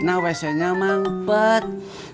nah wc nya mampet